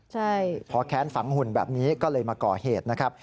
ใช่พอแค้นฝังหุ่นแบบนี้ก็เลยมาก่อเหตุนะครับ